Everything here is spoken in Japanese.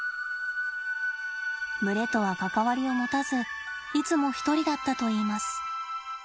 群れとは関わりを持たずいつも一人だったといいます。